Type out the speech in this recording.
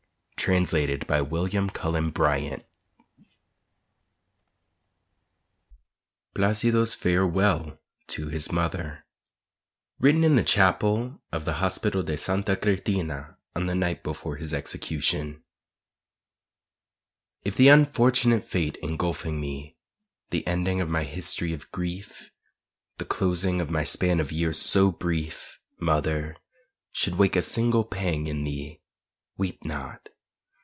Translated by William Cullen Bryant. PLÁCIDO'S FAREWELL TO HIS MOTHER (Written in the Chapel of the Hospital de Santa Cristina on the Night Before His Execution) If the unfortunate fate engulfing me, The ending of my history of grief, The closing of my span of years so brief, Mother, should wake a single pang in thee, Weep not.